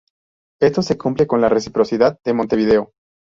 Esto se cumple con la reciprocidad de Montevideo.